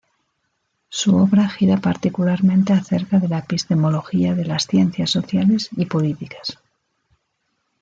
Su obra gira particularmente acerca de la epistemología de las ciencias sociales y políticas.